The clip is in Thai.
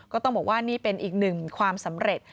ก็ต้องบอกว่านี่เป็นอีกหนึ่งความสำเร็จ